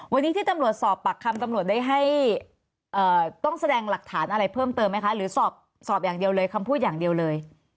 วันนี้ที่ตำรวจสอบปากคำตำรวจได้ให้ต้องแสดงหลักฐานอะไรเพิ่มเติมไหมคะหรือสอบอย่างเดียวเลยคำพูดอย่างเดียวเลย